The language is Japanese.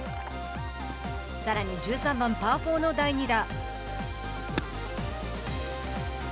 さらに１３番パー４の第２打。